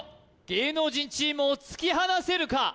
芸能人チームを突き放せるか？